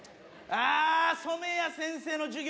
あ染谷先生の授業